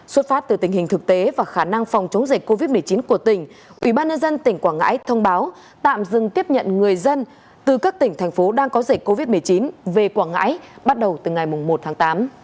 xuất phát từ tình hình thực tế và khả năng phòng chống dịch covid một mươi chín của tỉnh ubnd tỉnh quảng ngãi thông báo tạm dừng tiếp nhận người dân từ các tỉnh thành phố đang có dịch covid một mươi chín về quảng ngãi bắt đầu từ ngày một tháng tám